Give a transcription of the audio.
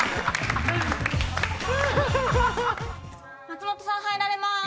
松本さん入られます。